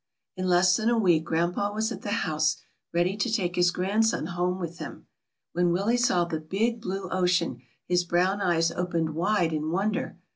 In less than a week grandpa was at the house, ready to take his grandson home with him. When Willie saw the big, blue ocean, his brown eyes opened wide in wonder.